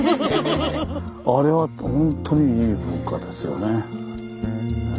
あれはほんとにいい文化ですよね。